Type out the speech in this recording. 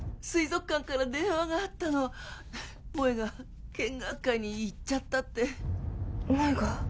水族館から電話があったの萌が見学会に行っちゃったって萌が？